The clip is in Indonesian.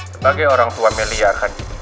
sebagai orang tua melearkan ini